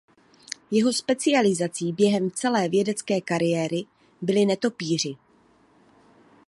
Jeho specializací během celé vědecké kariéry byli netopýři.